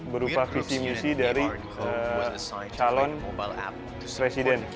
berupa visi misi dari calon presiden